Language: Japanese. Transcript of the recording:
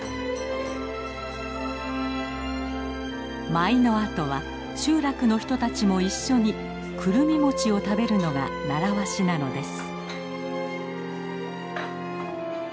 舞のあとは集落の人たちも一緒にくるみ餅を食べるのが習わしなのです。